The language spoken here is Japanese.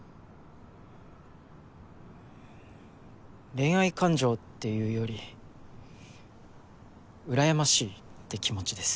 恋愛感情っていうより羨ましいって気持ちです。